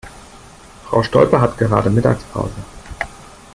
Frau Stolpe hat gerade Mittagspause.